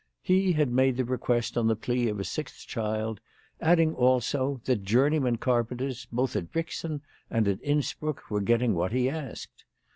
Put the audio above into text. He had made the request on the plea of a sixth child, adding also, that journeymen carpen ters both at Brixen and at Innsbruck were getting what he asked.